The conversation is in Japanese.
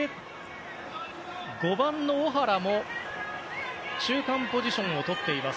５番のオ・ハラも中間ポジションをとっています。